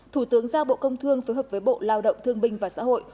thủ tướng giao bộ công thương phối hợp với bộ lao động thương binh và xã hội